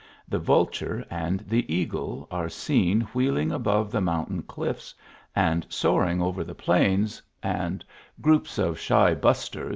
The vulture and tf e eagle arc seen wheeling about the mountain cliffs and soaring over the plains, and groups of shy bj^rc!